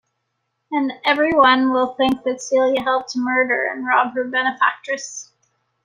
And every one will think that Celia helped to murder and rob her benefactress.